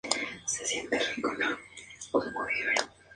El Palacio es un palacio-fortaleza de estilo gótico.